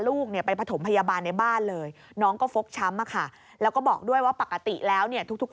ลูกเนี่ยไปประถมพยาบาลในบ้านเลยน้องก็ฟกช้ำอะค่ะแล้วก็บอกด้วยว่าปกติแล้วเนี่ยทุกทุก